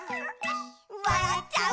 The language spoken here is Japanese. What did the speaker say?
「わらっちゃう」